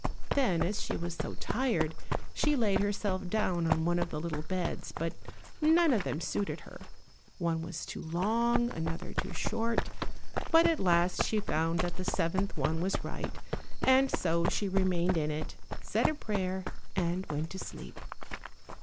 Then, as she was so tired, she laid herself down on one of the little beds, but none of them suited her; one was too long, another too short, but at last she found that the seventh one was right, and so she remained in it, said a prayer and went to sleep.